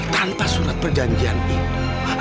tanpa surat perjanjian itu